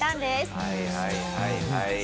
はいはいはいはい。